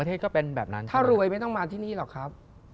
ถ้ารวยไม่ต้องมาที่นี่หรอกครับ